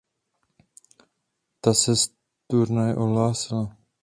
Ta se z turnaje odhlásila.